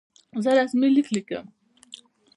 زه رسمي لیک لیکم.